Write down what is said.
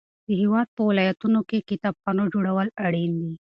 د هیواد په ولایتونو کې کتابخانو جوړول اړین دي.